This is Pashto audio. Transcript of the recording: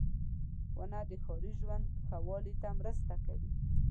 • ونه د ښاري ژوند ښه والي ته مرسته کوي.